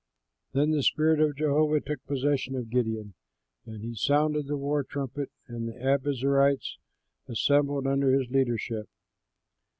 Then the spirit of Jehovah took possession of Gideon, and he sounded the war trumpet, and the Abiezerites assembled under his leadership.